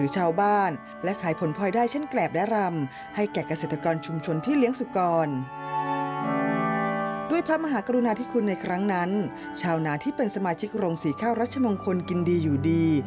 ชาวนานที่เป็นสมาชิกโรงศรีข้าวรัชมงคลกินดีอยู่ดี